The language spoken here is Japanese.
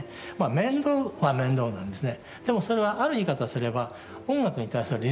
面倒は面倒なんですね。